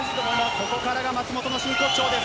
ここからが松元の真骨頂です。